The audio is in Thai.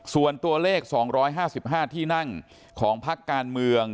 ส่วนตัวเลข๒๕๕ที่นั่งของพักการเมือง